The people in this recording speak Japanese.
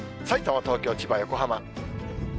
さいたま、東京、千葉、横浜。